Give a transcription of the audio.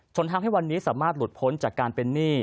ทำให้วันนี้สามารถหลุดพ้นจากการเป็นหนี้